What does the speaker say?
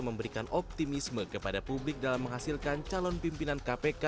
memberikan optimisme kepada publik dalam menghasilkan calon pimpinan kpk